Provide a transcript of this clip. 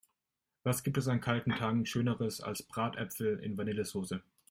Was gibt es an kalten Tagen schöneres als Bratäpfel in Vanillesoße!